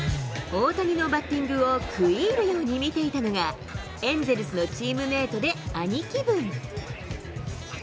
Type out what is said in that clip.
大谷のバッティングを食い入るように見ていたのが、エンゼルスのチームメートで兄貴分。